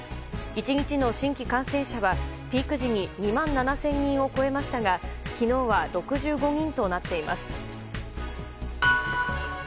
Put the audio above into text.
１日の新規感染者はピーク時に２万７０００人を超えましたが昨日は６５人となっています。